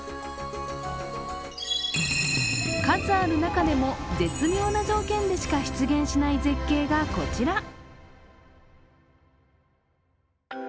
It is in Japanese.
数ある中でも絶妙な条件でしか出現しない絶景がこちら。